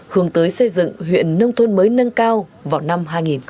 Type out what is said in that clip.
hướng tới xây dựng huyện nông thôn mới nâng cao vào năm hai nghìn hai mươi